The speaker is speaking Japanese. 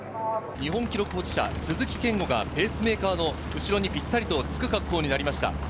日本記録保持者、鈴木健吾がペースメーカーの後ろにぴったりとつく格好になりました。